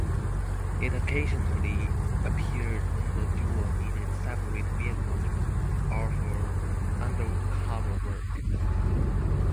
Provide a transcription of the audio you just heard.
It occasionally appeared when the duo needed separate vehicles, or for undercover work.